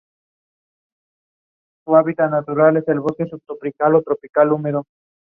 Tras la rendición argentina muchos de estos misiles fueron capturados por las fuerzas británicas.